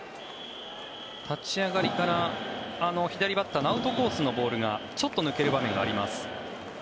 立ち上がりから左バッターのアウトコースのボールがちょっと抜ける場面があります。